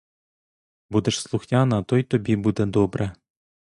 Будеш слухняна, то й тобі буде добре.